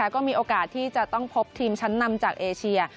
ก็มีโอกาสที่จะต้องพบทีมชั้นนำจากเอเชีย